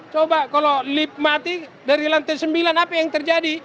coba kalau lift mati dari lantai sembilan apa yang terjadi